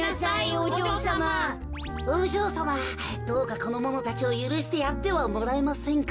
おじょうさまどうかこのものたちをゆるしてやってはもらえませんか？